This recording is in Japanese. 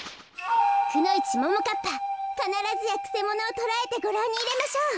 くのいちももかっぱかならずやくせものをとらえてごらんにいれましょう。